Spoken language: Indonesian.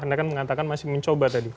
anda kan mengatakan masih mencoba tadi